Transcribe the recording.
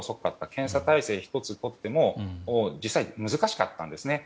検査体制１つとっても実際難しかったんですね。